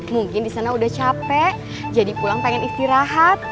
mungkin di sana udah capek jadi pulang pengen istirahat